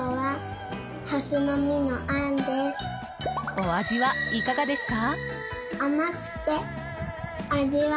お味はいかがですか？